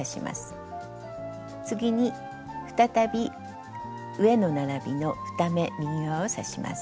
次に再び上の並びの２目右側を刺します。